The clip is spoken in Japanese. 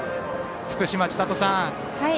福島千里さん